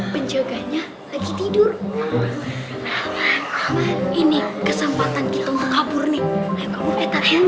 penjaganya lagi tidur ini kesempatan kita kabur nih